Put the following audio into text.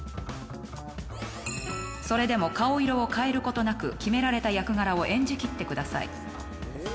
それでも顔色を変えることなく決められた役柄を演じ切ってください。